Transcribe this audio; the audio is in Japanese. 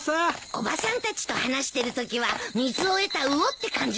おばさんたちと話してるときは水を得た魚って感じだった。